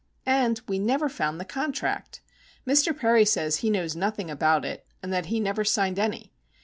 And we never found the contract! Mr. Perry says he knows nothing about it, and that he never signed any.